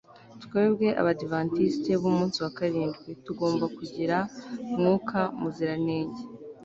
twebwe abadiventiste b'umunsi wa karindwi tugomba kugira mwuka muziranenge